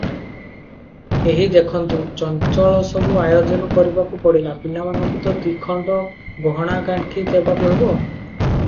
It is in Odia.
ଏହି ଦେଖନ୍ତୁ, ଚଞ୍ଚଳ ସବୁ ଆୟୋଜନ କରିବାକୁ ପଡ଼ିଲା, ପିଲାମାନଙ୍କୁ ତ ଦିଖଣ୍ଡ ଗହଣାଗାଣ୍ଠି ଦେବାକୁ ହେବ ।